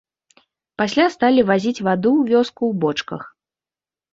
Пасля сталі вазіць ваду ў вёску ў бочках.